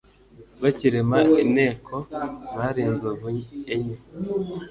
bakirema inteko bari inzovu enye